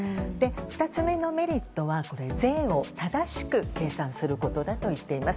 ２つ目のメリットは税を正しく計算することだといっています。